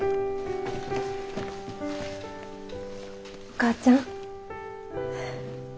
お母ちゃん。